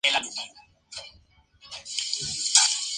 El agua mineral puede ser preparada o puede producirse naturalmente.